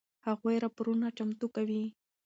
هغوی راپورونه چمتو کوي.